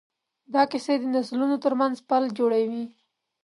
دا کیسې د نسلونو ترمنځ پل جوړوي.